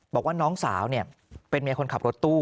บอกว่าน้องสาวเป็นเมียคนขับรถตู้